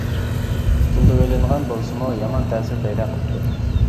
قۇتۇلدۇرۇۋېلىنغان بولسىمۇ، يامان تەسىر پەيدا قىپتۇ.